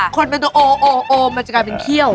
ขดไปโตเออเออเออมันจะกลายเป็นเขี้ยว